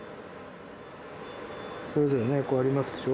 それぞれねこうありますでしょ。